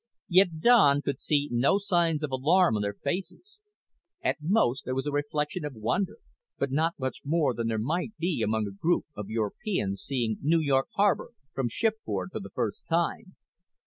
Yet Don could see no signs of alarm on their faces. At most there was a reflection of wonder, but not much more than there might be among a group of Europeans seeing New York Harbor from shipboard for the first time.